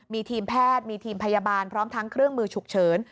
มีทีมแพทย์มีทีมพยาบาลพร้อมทั้งเครื่องมือฉุกเฉิน